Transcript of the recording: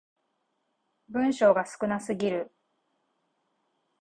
文章が少なすぎる